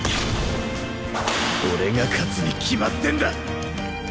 俺が勝つに決まってんだ！